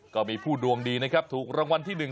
ก็มีผู้ดวงดีนะครับถูกรางวัลที่๑